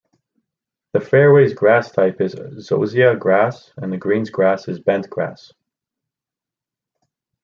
The fairways grass type is zosia grass and the greens grass is bent grass.